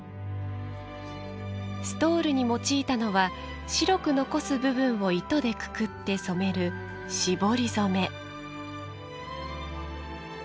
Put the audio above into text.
ストールに用いたのは白く残す部分を糸でくくって染める、絞り染め。